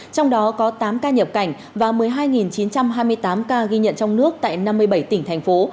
trong đó có tám ca nhập cảnh và một mươi hai chín trăm hai mươi tám ca ghi nhận trong nước tại năm mươi bảy tỉnh thành phố